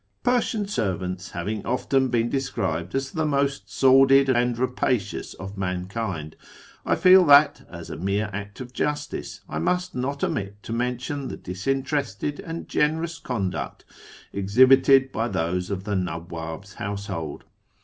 Persian servants having often been described as the most sordid and rapacious of mankind, I feel that, as a mere act of justice, I must not omit to mention the disinterested and generous conduct exhibited by those of the Nawwab's household.